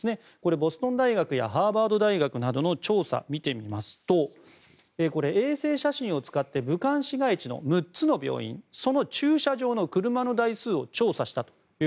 ボストン大学やハーバード大学などの調査を見てみますと衛星写真を使って武漢市街地の６つの病院、その駐車場の車の台数を調査したと。